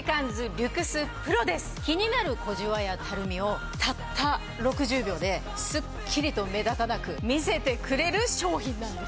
気になる小じわやたるみをたった６０秒でスッキリと目立たなく見せてくれる商品なんです！